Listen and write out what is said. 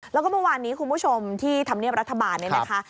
แล้วก็เมื่อวานนี้คุณผู้ชมที่ธรรมเนียบรัฐบาลเนี่ยนะคะ